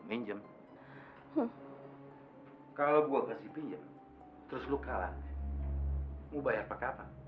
ikut kecil kecilan penghadapan